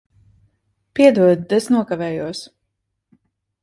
Piedod, es nokavējos.